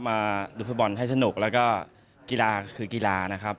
มาดูฟุตบอลให้สนุกแล้วก็กีฬาคือกีฬานะครับ